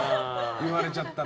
言われちゃったら。